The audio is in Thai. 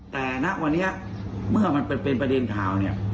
แต่ณวันนี้เมื่อมันเป็นประเด็นข่าวเนี่ย